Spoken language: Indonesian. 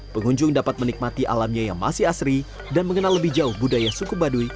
pengunjung dapat menikmati alamnya yang masih asri dan mengenal lebih jauh budaya suku baduy